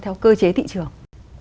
theo cơ chế thị trường